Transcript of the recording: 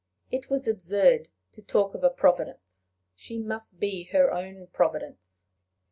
It was absurd to talk of a Providence! She must be her own providence!